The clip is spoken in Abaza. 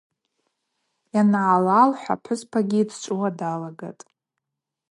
Йангӏалалхӏв апхӏвыспагьи дчӏвыуа далагатӏ.